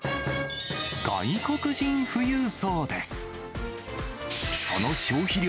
外国人富裕層です。